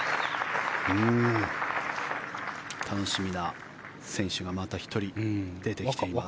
楽しみな選手がまた１人出てきています。